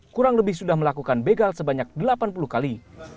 kurang lebih sudah melakukan begal sebanyak delapan puluh kali